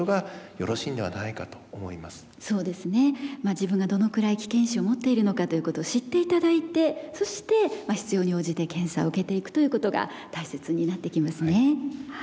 自分がどのくらい危険因子を持っているのかということを知って頂いてそして必要に応じて検査を受けていくということが大切になってきますね。